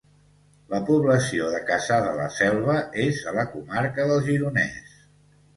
La població de Cassà de la Selva és a la comarca del Gironès